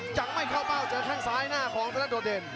จังไม่เข้าเป้าเจอข้างซ้ายหน้าของตัวเด่น